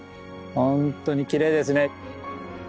本当にきれいですね。